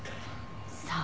さあ。